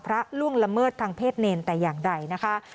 ล่วงละเมิดทางเพศเนรแต่อย่างใดนะคะ